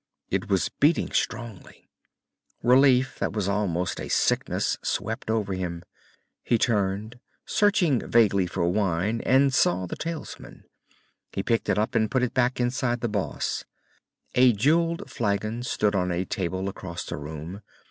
It was beating strongly. Relief that was almost a sickness swept over him. He turned, searching vaguely for wine, and saw the talisman. He picked it up and put it back inside the boss. A jewelled flagon stood on a table across the room.